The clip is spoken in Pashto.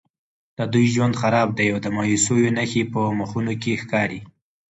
د دوی ژوند خراب دی او د مایوسیو نښې په مخونو کې ښکاري.